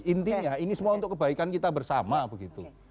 intinya ini semua untuk kebaikan kita bersama begitu